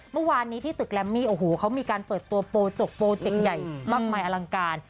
เมื่อวานนี้ที่ตึกแรมมี่โอ้โหเขามีการเปิดตัวโปรจกโปรเจกต์ใหญ่มากมายอลังการ